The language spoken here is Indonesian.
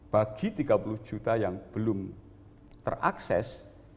bagi tiga puluh juta yang belum terakses